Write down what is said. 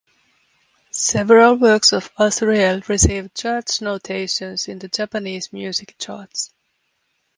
Several works of Asriel received chart notations in the Japanese music charts.